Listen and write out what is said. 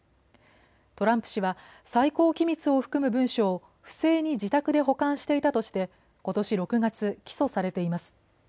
トランプ氏は最高機密を含む文書を不正に自宅で保管していたとしてことし６月、起訴されています。